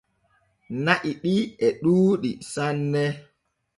Na’i ɗi e ɗuuɗɗi sanne.